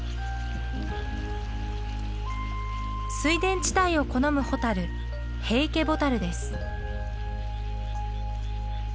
水田地帯を好むホタルヘイケボタルです。